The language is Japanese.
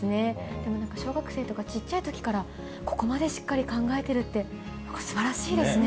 でもなんか小学生とか、ちっちゃいときからここまでしっかり考えてるって、すばらしいですね。